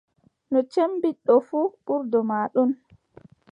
No cemmbiɗɗo fuu, ɓurɗo ma ɗon.